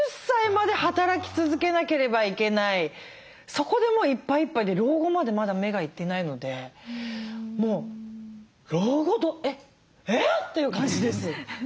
そこでもういっぱいいっぱいで老後までまだ目がいってないのでもう老後えっ！ていう感じです。